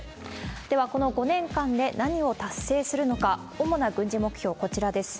では、この５年間で何を達成するのか、主な軍事目標、こちらです。